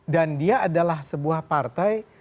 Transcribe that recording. dan dia adalah sebuah partai